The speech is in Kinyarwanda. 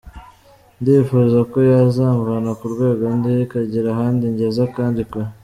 Ndifuza ko yazamvana ku rwego ndiho ikagira ahandi ingeza kandi kure.”